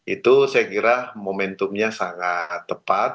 itu saya kira momentumnya sangat tepat